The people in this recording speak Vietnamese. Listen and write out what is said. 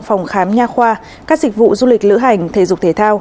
phòng khám nha khoa các dịch vụ du lịch lữ hành thể dục thể thao